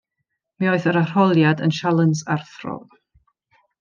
Mi oedd yr arholiad yn sialens arthrol.